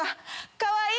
かわいい！